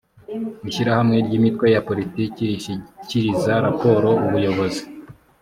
ishyirahamwe ry’imitwe ya politiki rishyikiriza raporo ubuyobozi